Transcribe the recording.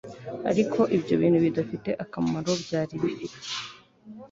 ariko ibyo bintu bidafite akamaro byari bifite